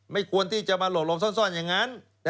ไม่ควรที่จะมาหลบซ่อนอย่างนั้น